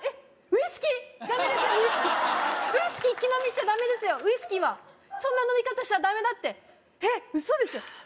ウイスキーウイスキー一気飲みしちゃダメですよウイスキーはそんな飲み方したらダメだってえっウソでしょ？